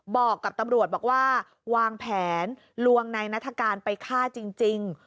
บอกกับตำรวจวางแผนลวงนายนาฏการณ์ไปฆ่าจริง